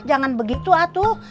jangan begitu atu